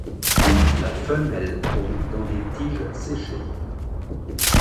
La femelle pond dans des tiges séchées.